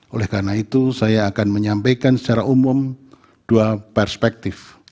oleh karena itu saya akan menyampaikan secara umum dua perspektif